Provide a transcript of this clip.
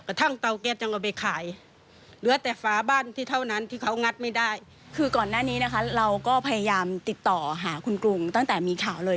กระทั่งเตาเก็ตยังเอาไปขาย